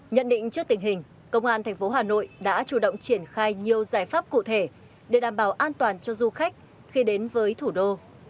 nhận định trước tình hình công an tp hà nội đã chủ động triển khai nhiều giải pháp cụ thể để đảm bảo an toàn cho du khách khi đến với thủ đô